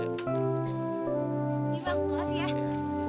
tidak ensa mengapa kami sakiti